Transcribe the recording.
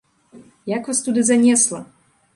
Як вас туды занесла?